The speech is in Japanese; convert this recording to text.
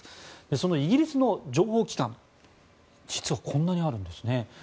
そのイギリスの情報機関実はこんなにあるんですね。